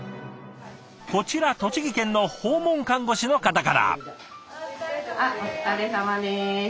こちら栃木県の訪問看護師の方から。